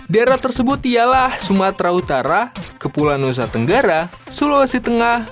daerah tersebut ialah sumatera utara kepulauan nusa tenggara sulawesi tengah